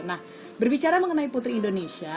nah berbicara mengenai putri indonesia